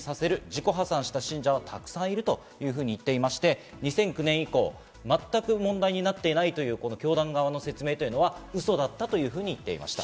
自己破産した信者はたくさんいるというふうに言ってまして２００９年以降、全く問題になっていないという教団側の説明はウソだったと言っていました。